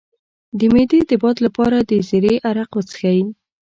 د معدې د باد لپاره د زیرې عرق وڅښئ